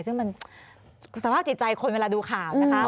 ซึ่งมันสภาพจิตใจคนเวลาดูข่าวนะคะ